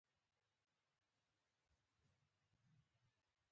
ځکه له لوړې څخه بیا تر کښته پورې یوازې یو پل و.